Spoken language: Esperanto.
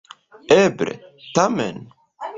Eble, tamen?